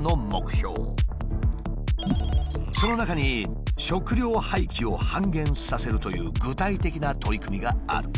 その中に「食料廃棄を半減させる」という具体的な取り組みがある。